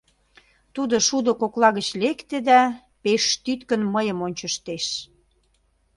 Тудо шудо кокла гыч лекте да пеш тӱткын мыйым ончыштеш.